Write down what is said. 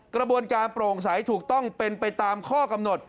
กระบวนการโปร่งใสถูกต้องเป็นไปตามข้อกำหนด